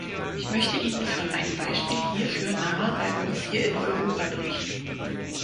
Ich möchte Ihnen von einem Beispiel hierfür nahe bei uns hier in Europa berichten.